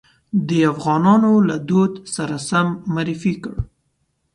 د افغانانو له دود سره سم معرفي کړ.